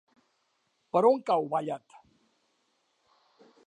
Per on cau Vallat?